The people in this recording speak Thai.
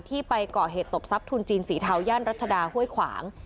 ไปก่อเหตุตบทรัพย์ทุนจีนสีเทาย่านรัชดาห้วยขวาง